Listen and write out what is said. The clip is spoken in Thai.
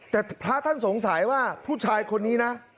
แต่พระท่านสงสัยว่าผู้ชายคนนี้นะ